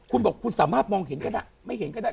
คุณบอกคุณสามารถมองเห็นก็ได้ไม่เห็นก็ได้